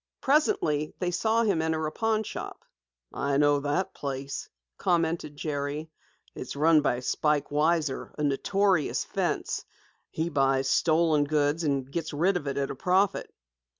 Presently they saw him enter a pawnshop. "I know that place," commented Jerry. "It's run by Spike Weiser, a notorious fence. He buys stolen goods and gets rid of it at a profit.